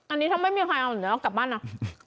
อันนี้ถ้าไม่มีใครเอาเดี๋ยวเรากลับบ้านนะ